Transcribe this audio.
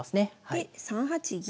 で３八銀。